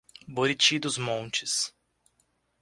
Buriti dos Montes